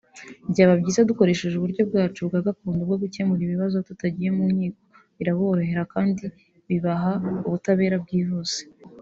Byaba byiza dukoresheje uburyo bwacu bwa gakondo bwo gukemura ibibazo tutagiye mu nkiko biraborohera kandi bibaha ubutabera bwihuse